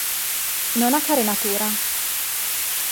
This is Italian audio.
Non ha carenatura.